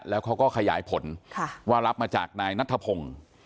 แล้วเขาก็ขยายผลว่ารับมาจากนายนัทธพงศ์